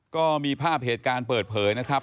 ก็มีภาพเหตุการณ์เปิดเผยนะครับ